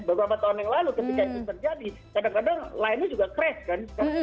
beberapa tahun yang lalu ketika itu terjadi kadang kadang lainnya juga crash kan